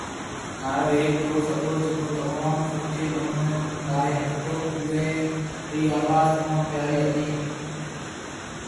ماهرو هيڪ دوست هتو جڪو تموم سٺي نموني گائي ۿگتو اوئي ري آواز تموم پياري هتي